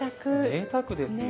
ぜいたくですよ。